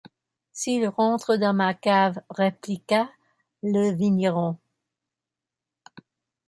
s’il rentre dans ma cave, répliqua le vigneron.